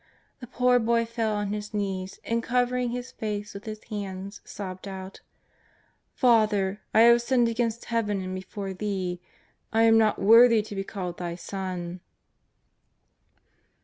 The poor boy fell on his knees, and, covering his face with his hands, sobbed out: " Father, I have sinned against Heaven and before thee, I am not now worthy to be called thy son."